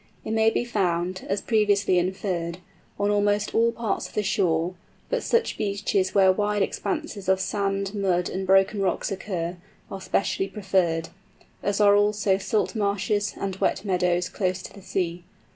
It may be found, as previously inferred, on almost all parts of the shore, but such beaches where wide expanses of sand, mud, and broken rocks occur, are specially preferred—as are also salt marshes and wet meadows close to the sea.